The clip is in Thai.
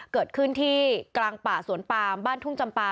เกิดขึ้นที่กลางป่าสวนปามบ้านทุ่งจำปา